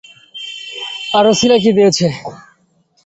আর অছিলা কী দিয়েছে?